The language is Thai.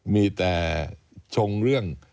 มีแต่ชงเรื่อง